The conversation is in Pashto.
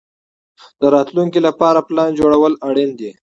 د راتلونکي لپاره پلان جوړول اړین دي.